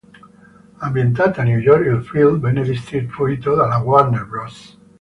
Ambientato a New York, il film venne distribuito dalla Warner Bros.